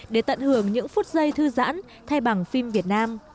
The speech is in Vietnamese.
để tận hưởng những phút giây thư giãn thay bằng phim việt nam